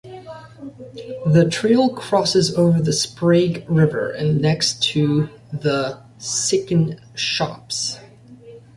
The trail crosses over the Sprague River and next to the Sycan Shops.